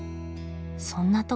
そんな時。